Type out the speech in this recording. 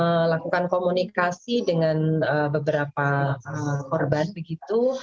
melakukan komunikasi dengan beberapa korban begitu